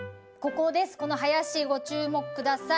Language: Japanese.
この林ご注目ください。